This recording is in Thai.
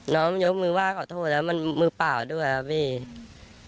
น้องยกมือไหว้ขอโทษแล้วมันมือเปล่าด้วยครับพี่